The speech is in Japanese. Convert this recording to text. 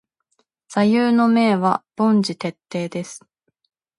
座右の銘は凡事徹底です。